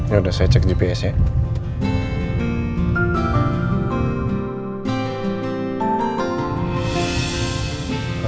yaudah saya cek gpsnya